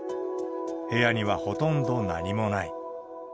部屋にはほとんど何もない。